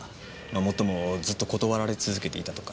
もっともずっと断られ続けていたとか。